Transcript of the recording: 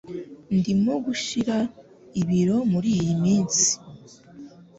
Ndimo gushira ibiro muriyi minsi.